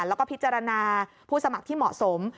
แล้วก็พิจารณาผู้สมัครที่เหมาะสม